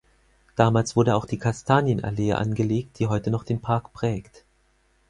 Damals wurde auch die Kastanienallee angelegt, die heute noch den Park prägt.